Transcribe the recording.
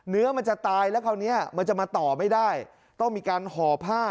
เนื้อมันจะตายแล้วคราวนี้มันจะมาต่อไม่ได้ต้องมีการห่อผ้า